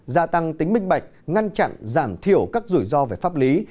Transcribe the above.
gia tăng tính minh bạch ngăn chặn giảm thiểu các rủi ro về pháp lý